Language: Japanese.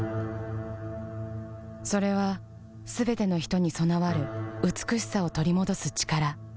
それはすべての人に備わる美しさを取り戻す力